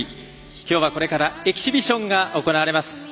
きょうは、これからエキシビションが行われます。